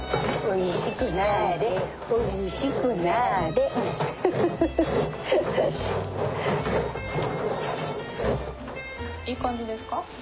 いい感じですか？